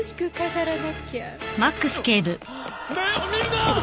目を見るな！